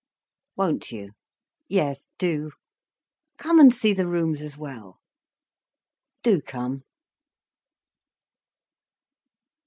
"Won't you? Yes do. Come and see the rooms as well. Do come."